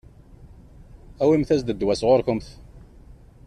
Awimt-as-d ddwa sɣur-kemt.